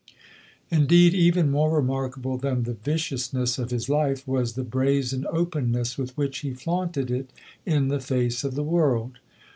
Indeed, even more remarkable than the viciousness of his life, was the brazen openness with which he flaunted it in the face of the world.